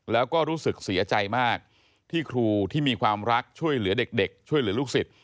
แล้วก็รู้สึกเสียใจมากที่ครูที่มีความรักช่วยเหลือเด็กช่วยเหลือลูกศิษย